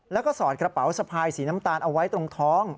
แล้วก็สอดกระเป๋าสะพายสีน้ำตาลเอาไว้ตรงท้อง